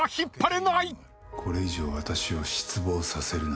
「これ以上私を失望させるな」